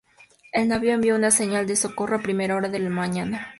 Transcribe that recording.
El navío envió una señal de socorro a primera hora de la mañana.